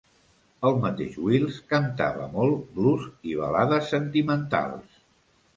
El mateix Wills cantava molt blues i balades sentimentals.